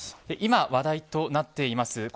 今、話題となっています